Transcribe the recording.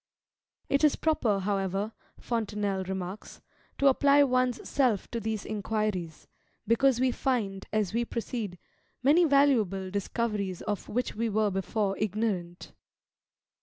"It is proper, however," Fontenelle remarks, "to apply one's self to these inquiries; because we find, as we proceed, many valuable discoveries of which we were before ignorant."